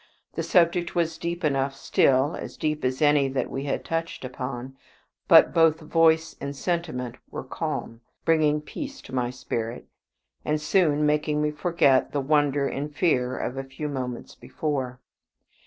The subject was deep enough still, as deep as any that we had touched upon, but both voice and sentiment were calm, bringing peace to my spirit, and soon making me forget the wonder and fear of a few moments before.